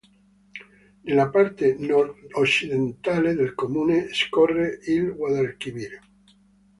Nella parte nordoccidentale del comune scorre il Guadalquivir.